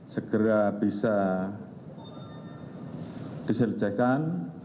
segera bisa diselesaikan